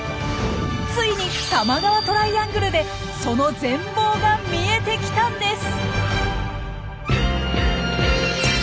ついに多摩川トライアングルでその全貌が見えてきたんです！